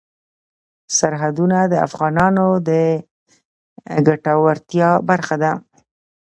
سرحدونه د افغانانو د ګټورتیا برخه ده.